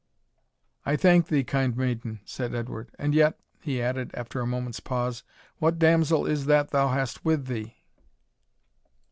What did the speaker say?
"I thank thee, kind maiden," said Edward "and yet," he added, after a moment's pause, "what damsel is that thou hast with thee?"